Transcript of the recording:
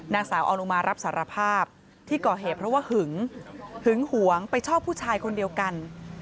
นางสาวออนุมารับสารภาพที่ก่อเหตุเพราะว่าหึงหึงหวงไปชอบผู้ชายคนเดียวกัน